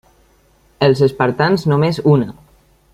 Els espartans només una.